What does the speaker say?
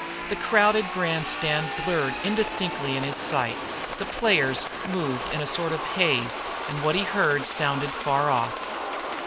The crowded grandstand blurred indistinctly in his sight. The players moved in a sort of haze, and what he heard sounded far off.